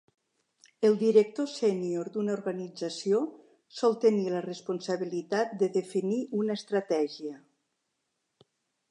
El director sénior d"una organització sol tenir la responsabilitat de definir una estratègia.